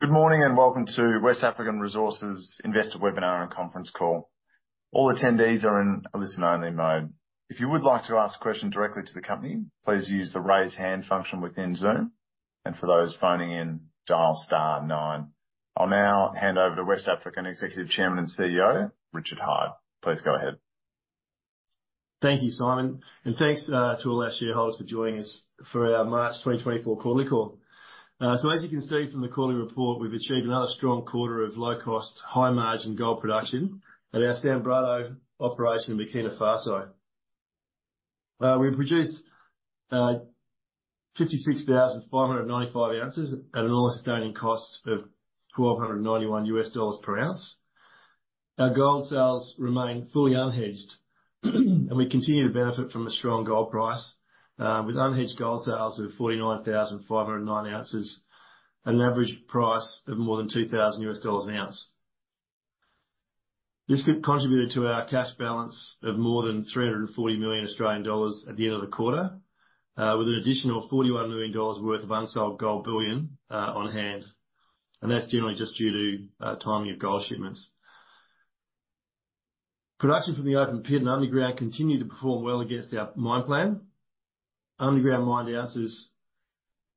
Good morning, and welcome to West African Resources Investor Webinar and Conference Call. All attendees are in a listen-only mode. If you would like to ask a question directly to the company, please use the Raise Hand function within Zoom, and for those phoning in, dial star nine. I'll now hand over to West African Executive Chairman and CEO, Richard Hyde. Please go ahead. Thank you, Simon, and thanks to all our shareholders for joining us for our March 2024 quarterly call. So as you can see from the quarterly report, we've achieved another strong quarter of low-cost, high-margin gold production at our Sanbrado operation in Burkina Faso. We produced 56,595 oz at an all-in sustaining cost of $1,291/oz. Our gold sales remain fully unhedged, and we continue to benefit from a strong gold price, with unhedged gold sales of 49,509 oz at an average price of more than $2,000/oz. This contributed to our cash balance of more than 340 million Australian dollars at the end of the quarter, with an additional 41 million dollars worth of unsold gold bullion on hand, and that's generally just due to timing of gold shipments. Production from the open pit and underground continued to perform well against our mine plan. Underground mined ounces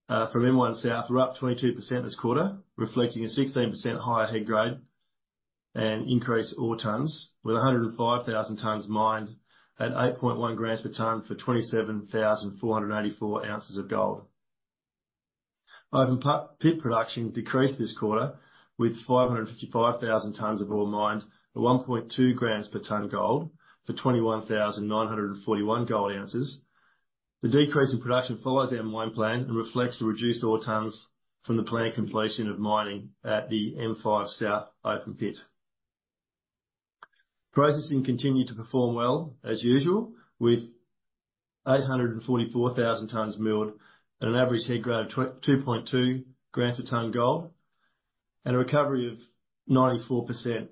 from M1 South were up 22% this quarter, reflecting a 16% higher head grade and increased ore tonnes, with 105,000 tonnes mined at 8.1 g per tonne for 27,484 oz of gold. Open pit production decreased this quarter with 555,000 tonnes of ore mined at 1.2 g per tonne gold for 21,941 gold oz. The decrease in production follows our mine plan and reflects the reduced ore tonnes from the planned completion of mining at the M5 South open pit. Processing continued to perform well as usual, with 844,000 tonnes milled at an average head grade of 2.2 g per tonne gold and a recovery of 94%.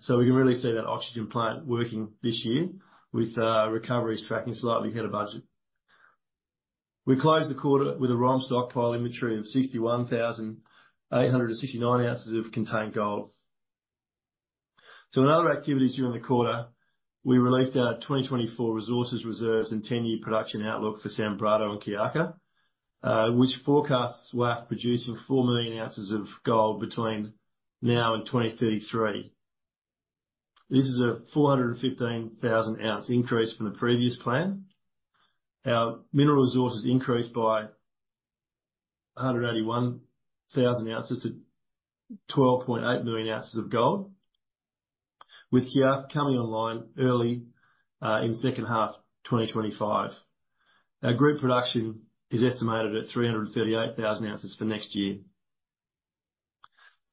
So we can really see that oxygen plant working this year with recoveries tracking slightly ahead of budget. We closed the quarter with a ROM stockpile inventory of 61,869 oz of contained gold. So in other activities during the quarter, we released our 2024 resources, reserves, and 10-year production outlook for Sanbrado and Kiaka, which forecasts WAF producing 4 million oz of gold between now and 2033. This is a 415,000-oz increase from the previous plan. Our mineral resources increased by 181,000 oz to 12.8 million oz of gold, with Kiaka coming online early in second half 2025. Our group production is estimated at 338,000 oz for next year.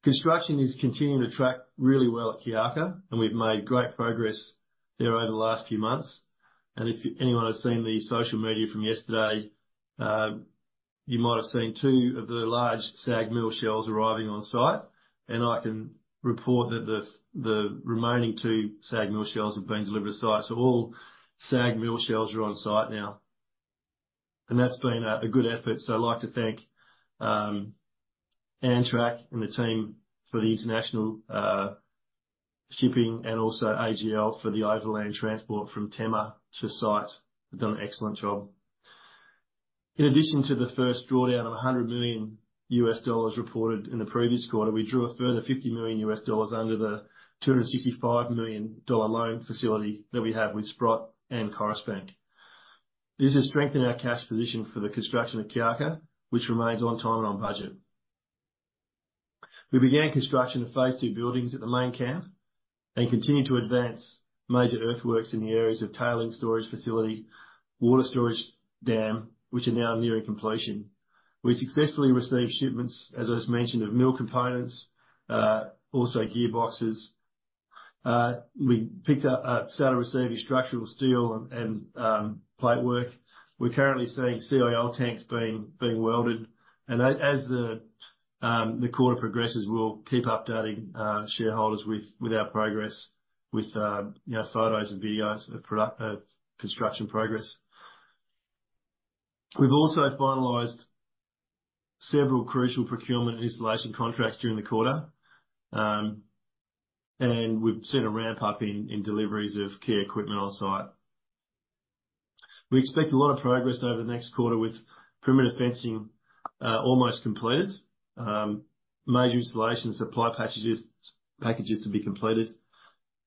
Construction is continuing to track really well at Kiaka, and we've made great progress there over the last few months. And if anyone has seen the social media from yesterday, you might have seen two of the large SAG Mill shells arriving on site, and I can report that the remaining two SAG Mill shells have been delivered to site. So all SAG Mill shells are on site now, and that's been a good effort. So I'd like to thank Antrak and the team for the international shipping and also AGL for the overland transport from Tema to site. They've done an excellent job. In addition to the first drawdown of $100 million reported in the previous quarter, we drew a further $50 million under the $265 million dollar loan facility that we have with Sprott and Coris Bank. This has strengthened our cash position for the construction of Kiaka, which remains on time and on budget. We began construction of phase two buildings at the main camp and continued to advance major earthworks in the areas of tailings storage facility, water storage dam, which are now nearing completion. We successfully received shipments, as I just mentioned, of mill components, also gearboxes. We started receiving structural steel and plate work. We're currently seeing CIL tanks being welded, and as the quarter progresses, we'll keep updating shareholders with our progress with you know, photos and videos of construction progress. We've also finalized several crucial procurement and installation contracts during the quarter, and we've seen a ramp up in deliveries of key equipment on site. We expect a lot of progress over the next quarter, with perimeter fencing almost completed, major installation supply packages to be completed.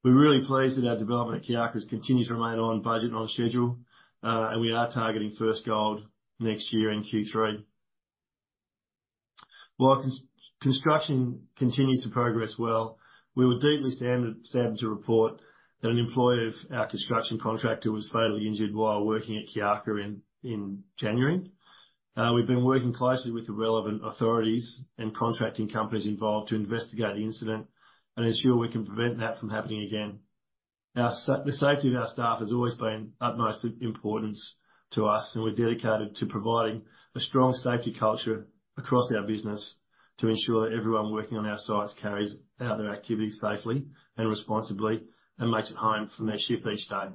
We're really pleased that our development at Kiaka has continued to remain on budget and on schedule, and we are targeting first gold next year in Q3. While construction continues to progress well, we were deeply saddened to report that an employee of our construction contractor was fatally injured while working at Kiaka in January. We've been working closely with the relevant authorities and contracting companies involved to investigate the incident and ensure we can prevent that from happening again. The safety of our staff has always been of utmost importance to us, and we're dedicated to providing a strong safety culture across our business to ensure that everyone working on our sites carries out their activities safely and responsibly, and makes it home from their shift each day.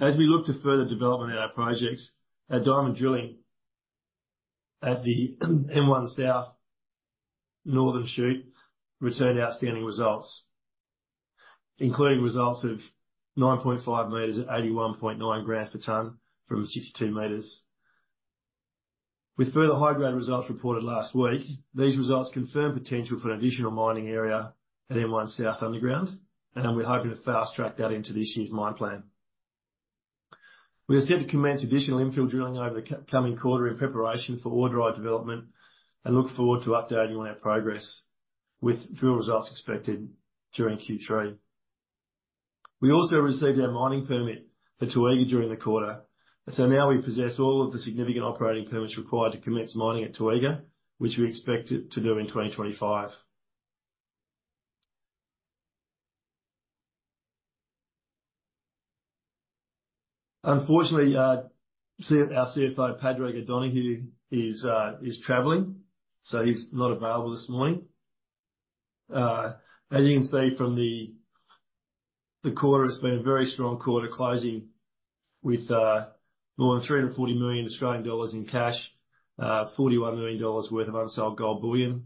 As we look to further development of our projects, our diamond drilling at the M1 South Northern Shoot returned outstanding results, including results of 9.5 m at 81.9 g per tonne from 62 m. With further high-grade results reported last week, these results confirm potential for an additional mining area at M1 South Underground, and we're hoping to fast-track that into this year's mine plan. We are set to commence additional infill drilling over the coming quarter in preparation for ore body development, and look forward to updating you on our progress, with drill results expected during Q3. We also received our mining permit for Toega during the quarter, so now we possess all of the significant operating permits required to commence mining at Toega, which we expect it to do in 2025. Unfortunately, our CFO, Padraig O'Donoghue, is traveling, so he's not available this morning. As you can see from the quarter, it's been a very strong quarter, closing with more than 340 million Australian dollars in cash, $41 million worth of unsold gold bullion.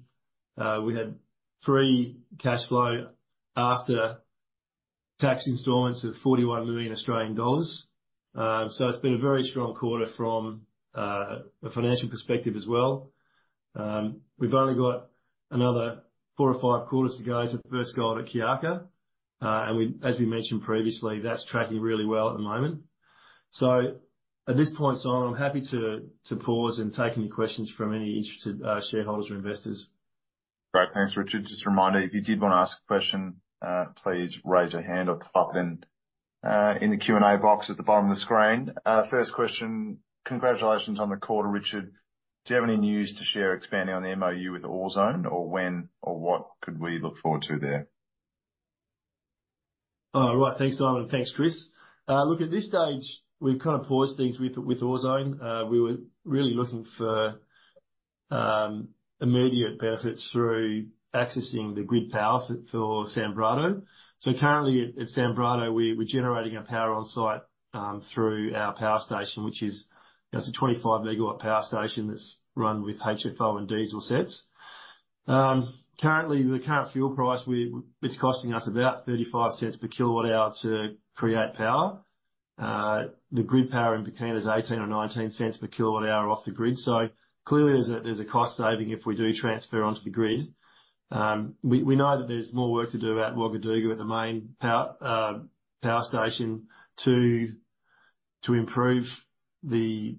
We had three cash flow after-tax installments of 41 million Australian dollars. So it's been a very strong quarter from a financial perspective as well. We've only got another four or five quarters to go to the first gold at Kiaka. As we mentioned previously, that's tracking really well at the moment. So, at this point, Simon, I'm happy to pause and take any questions from any interested shareholders or investors. Great. Thanks, Richard. Just a reminder, if you did want to ask a question, please raise your hand or pop it in, in the Q&A box at the bottom of the screen. First question: Congratulations on the quarter, Richard. Do you have any news to share expanding on the MOU with Orezone, or when, or what could we look forward to there? Right. Thanks, Simon. Thanks, Chris. Look, at this stage, we've kind of paused things with Orezone. We were really looking for immediate benefits through accessing the grid power for Sanbrado. So currently at Sanbrado, we're generating our power on site through our power station, which is. That's a 25-MW power station that's run with HFO and diesel sets. Currently, the current fuel price, it's costing us about $0.35 per kWh to create power. The grid power in Burkina is $0.18 or $0.19 per kWh off the grid, so clearly there's a cost saving if we do transfer onto the grid. We know that there's more work to do at Ouagadougou at the main power station to improve the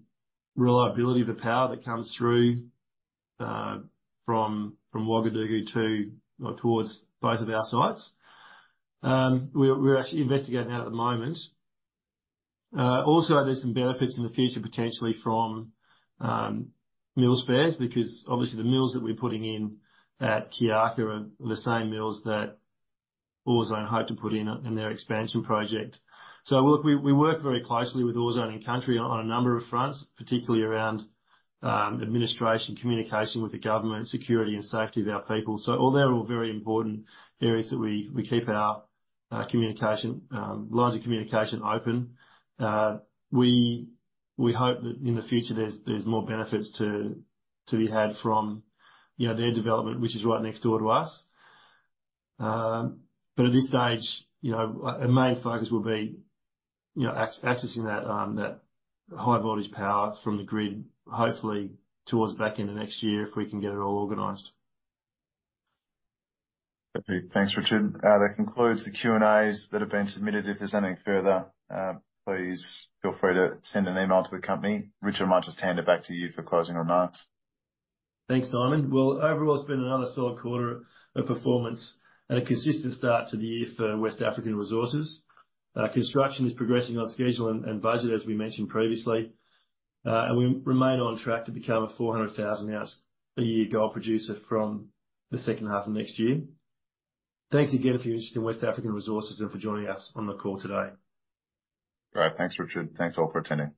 reliability of the power that comes through from Ouagadougou towards both of our sites. We're actually investigating that at the moment. Also, there's some benefits in the future, potentially from mill spares, because obviously, the mills that we're putting in at Kiaka are the same mills that Orezone hope to put in their expansion project. So look, we work very closely with Orezone in country on a number of fronts, particularly around administration, communication with the government, security, and safety of our people. So although they're all very important areas that we keep our communication lines of communication open, we hope that in the future, there's more benefits to be had from, you know, their development, which is right next door to us. But at this stage, you know, our main focus will be, you know, accessing that high voltage power from the grid, hopefully towards back end of next year, if we can get it all organized. Okay. Thanks, Richard. That concludes the Q&As that have been submitted. If there's anything further, please feel free to send an email to the company. Richard, I might just hand it back to you for closing remarks. Thanks, Simon. Well, overall, it's been another solid quarter of performance, and a consistent start to the year for West African Resources. Construction is progressing on schedule and budget, as we mentioned previously. We remain on track to become a 400,000 oz a year gold producer from the second half of next year. Thanks again for your interest in West African Resources, and for joining us on the call today. All right. Thanks, Richard. Thanks, all, for attending.